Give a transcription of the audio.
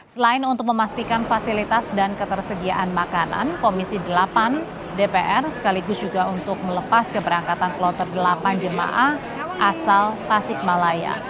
selain untuk memastikan fasilitas dan ketersediaan makanan komisi delapan dpr sekaligus juga untuk melepas keberangkatan kloter delapan jemaah asal tasik malaya